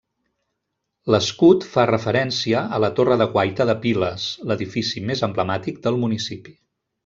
L'escut fa referència a la torre de guaita de Piles, l'edifici més emblemàtic del municipi.